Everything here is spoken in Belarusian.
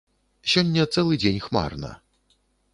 Сёння цэлы дзень хмарна.